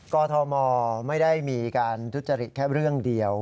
กรทมไม่ได้มีการทุจริตแค่เรื่องเดียว